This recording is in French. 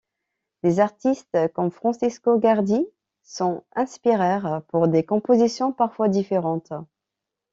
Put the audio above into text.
Des artistes comme Francesco Guardi s’en inspirèrent pour des compositions parfois différentes.